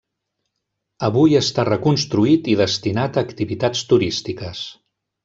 Avui està reconstruït i destinat a activitats turístiques.